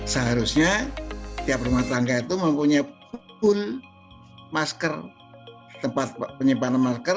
seharusnya tiap rumah tangga itu mempunyai full masker tempat penyimpanan masker